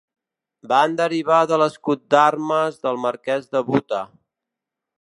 Van derivar de l'escut d'armes del marqués de Bute.